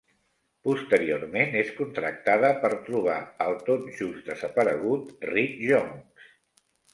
Posteriorment és contractada per trobar el tot just desaparegut Rick Jones.